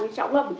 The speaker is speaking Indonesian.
insya allah begitu